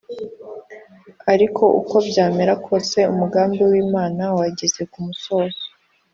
ariko , uko byamera kose, umugambi w’imana wageze ku musozo